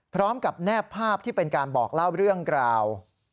พร้อมกับแน่ภาพที่เป็นการบอกเล่าเรื่องกล่าว